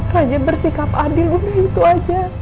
rajip bersikap adil udah itu aja